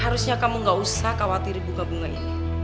harusnya kamu gak usah khawatir bunga bunga ini